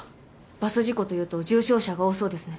バス事故というと重傷者が多そうですね。